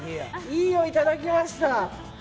いいよ、いただきました。